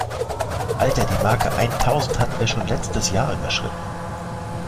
Alter, die Marke eintausend hatten wir schon letztes Jahr überschritten!